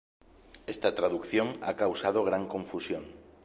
Esta traducción ha causado gran confusión.